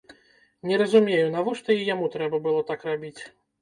Не разумею, навошта і яму трэба было так рабіць.